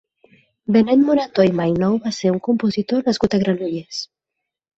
Benet Morató i Maynou va ser un compositor nascut a Granollers.